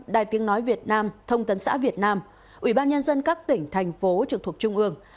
đài tiếng nói việt nam thông tấn xã việt nam ủy ban nhân dân các tỉnh thành phố trực thuộc trung ương